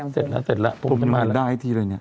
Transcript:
เสร็จเรียงโพมโพมหรือเปล่าได้ทีเลยเนี้ย